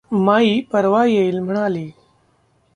माई परवा येईल म्हणाली.